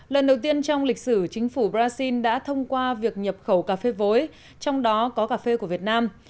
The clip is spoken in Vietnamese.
lần đầu tiên trong lịch sử chính phủ brazil đã thông qua việc nhập khẩu cà phê vối trong đó có cà phê của việt nam